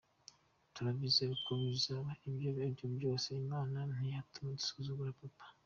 Turabyizera ko bizaba, ibyo ari byo byose Imana ntiyatuma nsuzugura Papa.